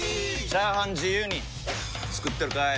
チャーハン自由に作ってるかい！？